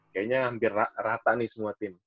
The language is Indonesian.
kayaknya hampir rata nih semua tim